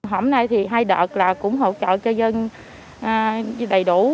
hôm nay thì hai đợt là cũng hỗ trợ cho dân đầy đủ